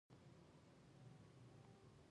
دعاوې، لانجې او دندو وېش پرې بحث کېږي.